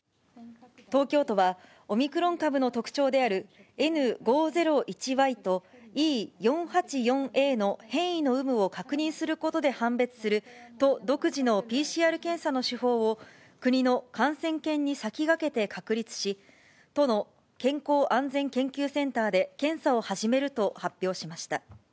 東京都は、オミクロン株の特徴であるＮ５０１Ｙと、Ｅ４８４Ａの変異の有無を確認することで判別する都独自のＰＣＲ検査の手法を国の感染研に先駆けて確立し、都の健康安全研究センターで検査を始めると発表しました。